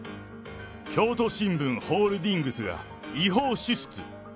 京都新聞ホールディングスが違法支出。